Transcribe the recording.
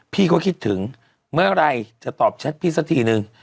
พี่ก็คิดถึงเมื่อไหร่จะตอบแชทพี่สักทีนึง